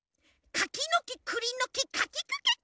かきのきくりのきかきくけこ！